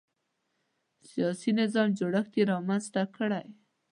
سیاسي نظامي جوړښت یې رامنځته کړی.